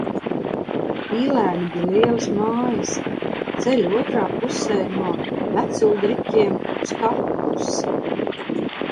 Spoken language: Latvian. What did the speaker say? Pīlēni bija lielas mājas, ceļa otrā pusē no Veculdriķiem uz kapu pusi.